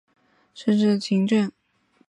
仕于赤松晴政。